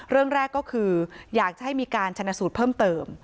เรื่องแรกก็คืออยากจะให้มีการชนะสูตรเพิ่มเติม